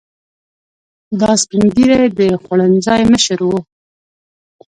دا سپین ږیری د خوړنځای مشر و.